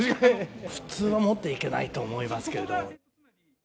普通は持っていけないと思いますけれど。